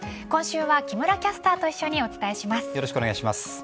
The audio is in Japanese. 今週は木村キャスターと一緒にお伝えします。